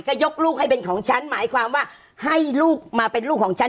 ก็ยกลูกให้เป็นของฉันหมายความว่าให้ลูกมาเป็นลูกของฉัน